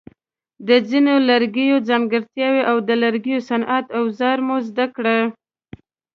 د ځینو لرګیو ځانګړتیاوې او د لرګي صنعت اوزار مو زده کړي.